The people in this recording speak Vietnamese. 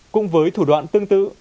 cũng với thủ đoạn tương tự